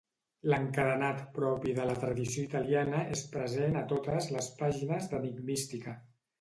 L'encadenat propi de la tradició italiana és present a totes les pàgines d'enigmística.